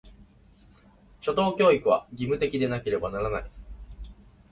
初等教育は、義務的でなければならない。